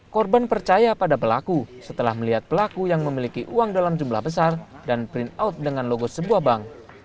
korban percaya pada pelaku setelah melihat pelaku yang memiliki uang dalam jumlah besar dan print out dengan logo sebuah bank